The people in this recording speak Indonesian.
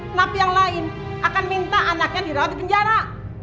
napi yang lain akan minta anaknya dirawat di penjara